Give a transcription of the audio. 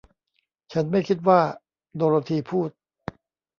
ฉันไม่คิดว่า โดโรธีพูด